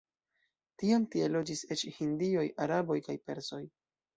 Tiam tie loĝis eĉ hindoj, araboj kaj persoj.